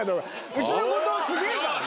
うちの後藤すげぇからな。